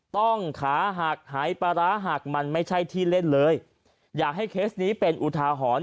ต้องขาหักหายปลาร้าหักมันไม่ใช่ที่เล่นเลยอยากให้เคสนี้เป็นอุทาหรณ์